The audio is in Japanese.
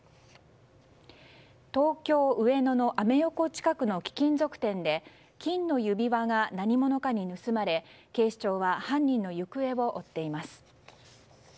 東京・上野のアメ横近くの貴金属店で金の指輪が何者かに盗まれ警視庁は犯人の行方を追っています。